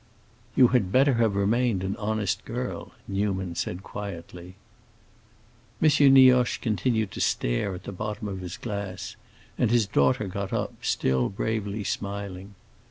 "You had better have remained an honest girl," Newman said quietly. M. Nioche continued to stare at the bottom of his glass, and his daughter got up, still bravely smiling.